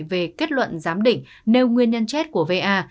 về kết luận giám định nêu nguyên nhân chết của va